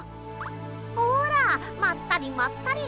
ほらまったりまったり。